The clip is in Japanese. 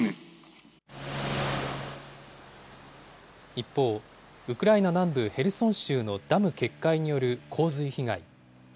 一方、ウクライナ南部ヘルソン州のダム決壊による洪水被害。